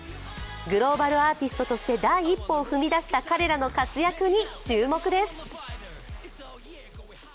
グローバルアーティストとして第一歩を踏み出した彼らの活躍に注目です。